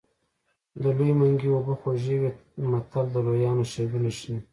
د لوی منګي اوبه خوږې وي متل د لویانو ښېګڼې ښيي